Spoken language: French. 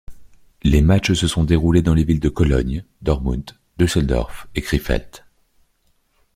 Les matchs se sont déroulés dans les villes de Cologne, Dortmund, Düsseldorf et Krefeld.